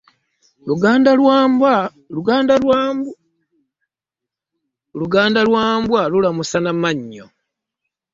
Luganda lwa mbwa lulamusa na mannyo .